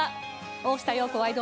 『大下容子ワイド！